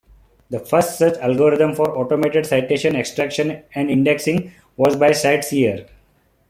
The first such algorithm for automated citation extraction and indexing was by CiteSeer.